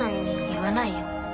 言わないよ。